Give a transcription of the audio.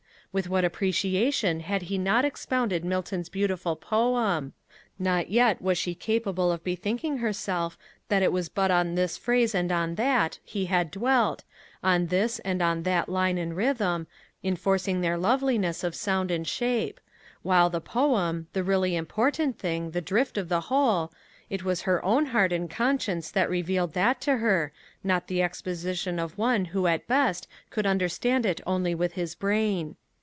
With what appreciation had he not expounded Milton's beautiful poem! Not yet was she capable of bethinking herself that it was but on this phrase and on that he had dwelt, on this and on that line and rhythm, enforcing their loveliness of sound and shape; while the poem, the really important thing, the drift of the whole it was her own heart and conscience that revealed that to her, not the exposition of one who at best could understand it only with his brain.